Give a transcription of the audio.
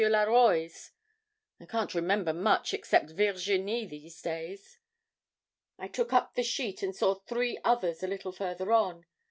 Laroy's. I can't remember much except Virginie these days. I took up the sheet and saw three others a little further on.